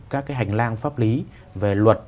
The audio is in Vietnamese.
các cái hành lang pháp lý về luật